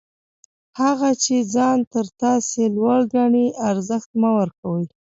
هغه چي ځان تر تاسي لوړ ګڼي، ارزښت مه ورکوئ!